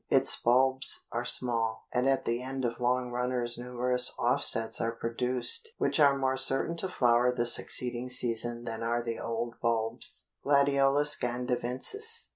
Its bulbs are small, and at the end of long runners numerous offsets are produced which are more certain to flower the succeeding season than are the old bulbs. GLADIOLUS GANDAVENSIS.